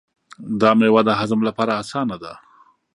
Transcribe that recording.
دا مېوه د هضم لپاره اسانه ده.